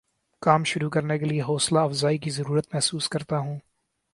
کام شروع کرنے کے لیے حوصلہ افزائی کی ضرورت محسوس کرتا ہوں